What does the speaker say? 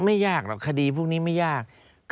ไม่ยากหรอกคดีพวกนี้ไม่ยาก